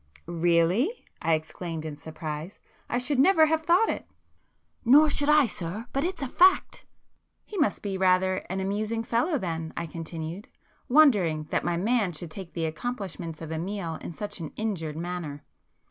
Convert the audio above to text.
"Really!" I exclaimed in surprise—"I should never have thought it." "Nor should I sir, but it's a fact." "He must be rather an amusing fellow then,"—I continued, wondering that my man should take the accomplishments of Amiel in such an injured manner.